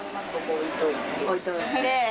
置いといて。